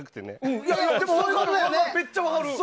めっちゃ分かる。